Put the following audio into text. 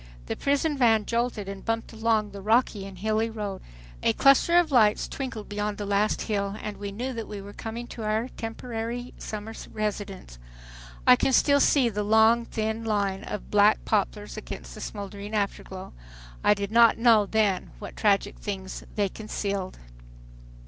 The prison van jolted and bumped along the rocky and hilly road. A cluster of lights twinkled beyond the last hill, and we knew that we were coming to our temporary summer residence. I can still see the long thin line of black poplars against the smoldering afterglow. I did not know then what tragic things they concealed.